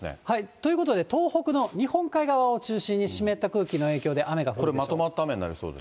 ということで、東北の日本海側を中心に湿った空気の影響で雨が降るでしょう。